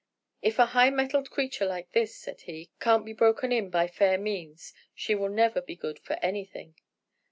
'If a highmettled creature like this,' said he, 'can't be broken in by fair means, she will never be good for anything.'